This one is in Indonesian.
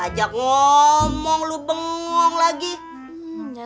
nah kan parfois anra fariza